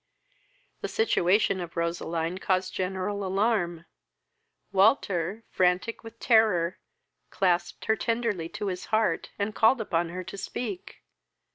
The situation of Roseline caused a general alarm. Walter, frantic with terror, clasped her tenderly to his heart, and called upon her to speak.